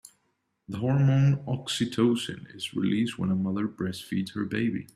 The hormone oxytocin is released when a mother breastfeeds her baby.